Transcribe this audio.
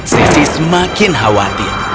sesi semakin khawatir